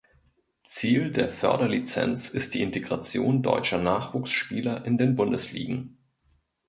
Ziel der Förderlizenz ist die Integration deutscher Nachwuchsspieler in den Bundesligen.